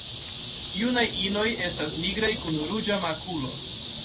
Junaj inoj estas nigraj kun ruĝa makulo.